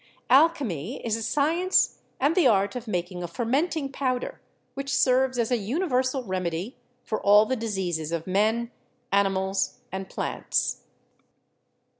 "Alchemy is a science and the art of making a fermenting powder which serves as a universal remedy for all the diseases of men, animals, and plants.